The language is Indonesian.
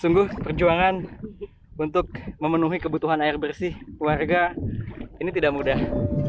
sungguh perjuangan untuk memenuhi kebutuhan air bersih warga ini tidak mudah